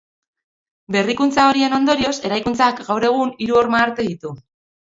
Berrikuntza horien ondorioz, eraikuntzak, gaur egun, hiru horma-arte ditu.